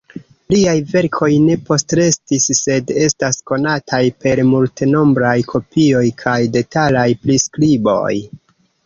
Liaj verkoj ne postrestis, sed estas konataj per multenombraj kopioj kaj detalaj priskriboj.